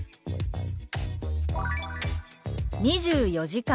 「２４時間」。